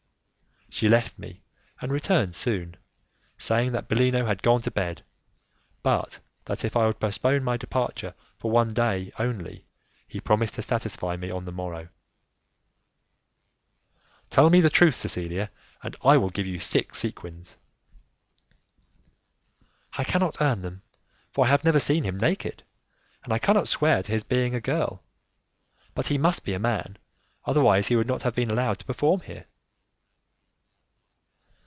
She left me and returned soon, saying that Bellino had gone to bed, but that if I would postpone my departure for one day only he promised to satisfy me on the morrow. "Tell me the truth, Cecilia, and I will give you six sequins." "I cannot earn them, for I have never seen him naked, and I cannot swear to his being a girl. But he must be a man, otherwise he would not have been allowed to perform here."